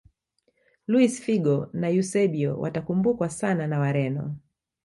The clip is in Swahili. luis figo na eusebio watakumbukwa sana na wareno